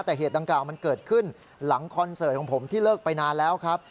แต่เหตุดังกล่าวมันเกิดขึ้นหลังคอนเสิร์ตของผมที่เลิกไปนานแล้วครับ